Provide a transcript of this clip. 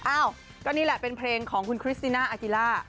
อ้าวก็นี่แหละเป็นเพลงของคุณคริสติน่าอากิล่า